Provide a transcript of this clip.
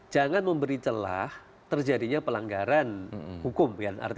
jangan memberi celah terjadinya pelanggaran hukum